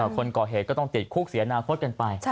คนก่อเหตุก็ต้องติดคุกเสียอนาคตกันไป